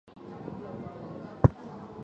清时修缮。